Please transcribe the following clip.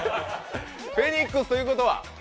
フェニックスということは。